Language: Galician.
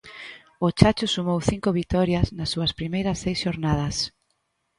O Chacho sumou cinco vitorias nas súas primeiras seis xornadas.